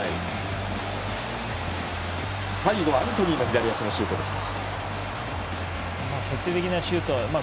最後はアントニーの左足のシュートでした。